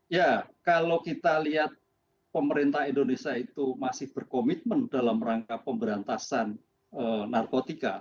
ya kalau kita lihat pemerintah indonesia itu masih berkomitmen dalam rangka pemberantasan narkotika